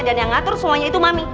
dan yang ngatur semuanya itu mami